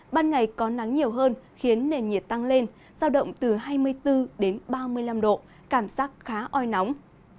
ban ngày có nắng nhiều hơn khiến nền nhiệt tăng lên giao động từ hai mươi bốn đến ba mươi năm độ cảm giác khá oi nóng